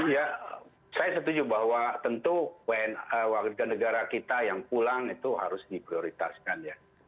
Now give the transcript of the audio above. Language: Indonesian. ya saya setuju bahwa tentu warga negara kita yang pulang itu harus diprioritaskan ya